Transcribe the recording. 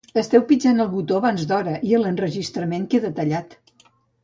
Esteu pitjant el botó abans d'hora i l'enregistrament queda tallat